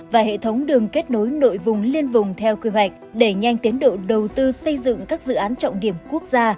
và hệ thống đường kết nối nội vùng liên vùng theo quy hoạch để nhanh tiến độ đầu tư xây dựng các dự án trọng điểm quốc gia